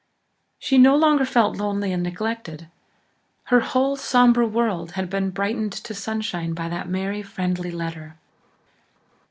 She no longer felt lonely and neglected. Her whole sombre world had been brightened to sunshine by that merry friendly letter.